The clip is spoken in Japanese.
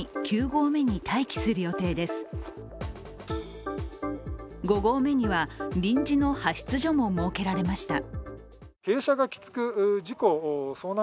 五合目には臨時の派出所も設けられました。